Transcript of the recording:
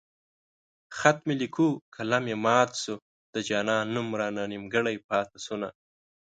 خط مې ليکو قلم مې مات شو د جانان نوم رانه نيمګړی پاتې شونه